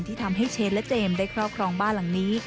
ที่ทำให้เชฟและเจมส์ได้ครอบครองบ้านหลังนี้